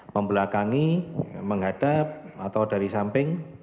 membelakangi menghadap atau dari samping